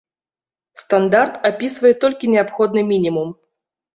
Стандарт апісвае толькі неабходны мінімум.